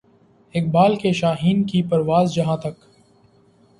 اقبال کے شاھین کی پرواز جہاں تک